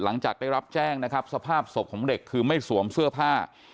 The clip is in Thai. หลังจากได้รับแจ้งนะครับสภาพศพของเด็กคือไม่สวมเสื้อผ้า